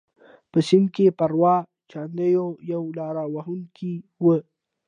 په سند کې پرو چاندیو یو لاره وهونکی و.